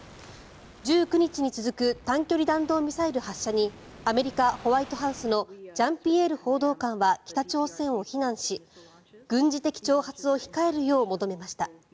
１９日に続く短距離弾道ミサイル発射にアメリカ・ホワイトハウスのジャンピエール報道官は北朝鮮を非難し軍事的挑発を控えるよう求めました。